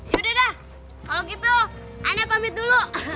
yaudah udah kalau gitu ane pamit dulu